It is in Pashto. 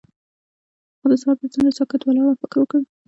هغه د سهار پر څنډه ساکت ولاړ او فکر وکړ.